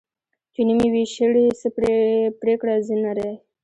چی نوم یی وی شړي ، څه پریکړه ځه نري .